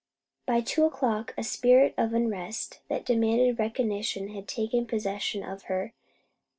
By two o'clock, a spirit of unrest that demanded recognition had taken possession of her.